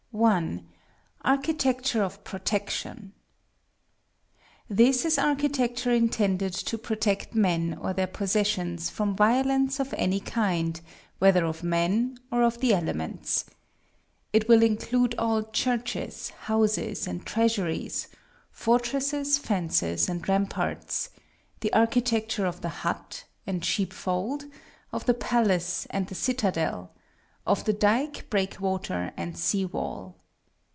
1. Architecture of Protection. This is architecture intended to protect men or their possessions from violence of any kind, whether of men or of the elements. It will include all churches, houses, and treasuries; fortresses, fences, and ramparts; the architecture of the hut and sheepfold; of the palace and the citadel: of the dyke, breakwater, and sea wall.